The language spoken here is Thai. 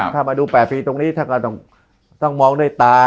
ถ้ามาดู๘ปีตรงนี้ท่านก็ต้องมองด้วยตา